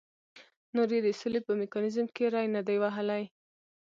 نور یې د سولې په میکانیزم کې ری نه دی وهلی.